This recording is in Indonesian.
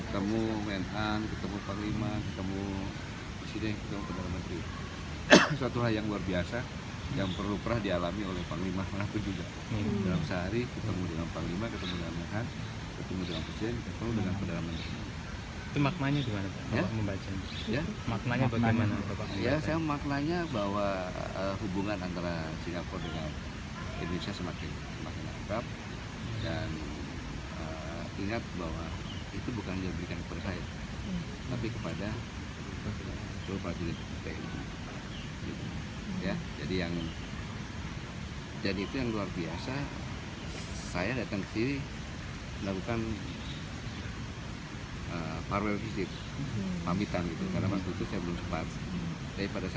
sekaligus gitu ya